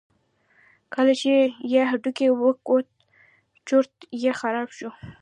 کله چې یې هډوکی وکوت چورت یې خراب شو.